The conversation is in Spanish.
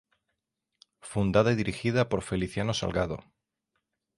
Fundada y dirigida por Feliciano Salgado.